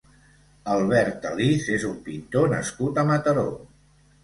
Albert Alís és un pintor nascut a Mataró.